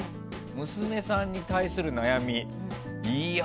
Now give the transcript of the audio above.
娘さんに対する悩み。